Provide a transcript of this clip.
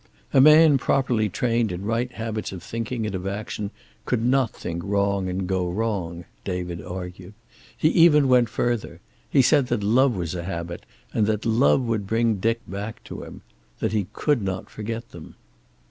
A man properly trained in right habits of thinking and of action could not think wrong and go wrong, David argued. He even went further. He said that love was a habit, and that love would bring Dick back to him. That he could not forget them.